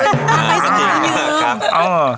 อ๋อกลัวไม่คืน